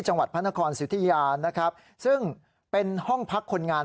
จังหวัดพระนครสิทธิยานะครับซึ่งเป็นห้องพักคนงาน